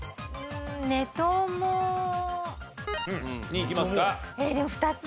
ネトモ。にいきますか？